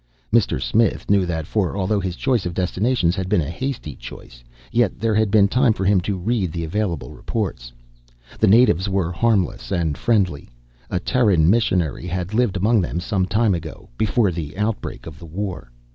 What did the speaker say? Mr. Smith knew that, for although his choice of destinations had been a hasty choice, yet there had been time for him to read the available reports. The natives were harmless and friendly. A Terran missionary had lived among them some time ago before the outbreak of the war.